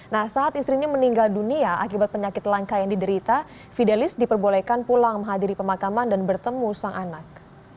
nah saat istrinya meninggal dunia akibat penyakit langka yang diderita fidelis diperbolehkan pulang menghadiri pemakaman dan bertemu sang anak